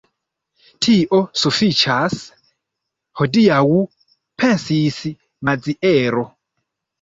Tio sufiĉas hodiaŭ, pensis Maziero.